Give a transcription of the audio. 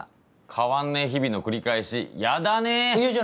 変わんねえ日々の繰り返しヤダねぇ！